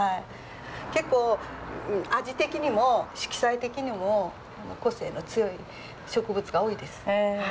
結構味的にも色彩的にも個性の強い植物が多いです。